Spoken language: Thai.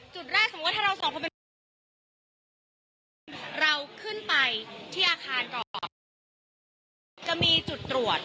จุดแรกสมมุติว่าถ้าเราสอนเราขึ้นไปที่อาการออกจะมีจุดตรวจ